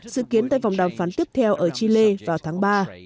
dự kiến tại vòng đàm phán tiếp theo ở chile vào tháng ba